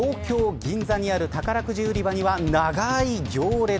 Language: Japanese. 銀座にある宝くじ売り場には長い行列。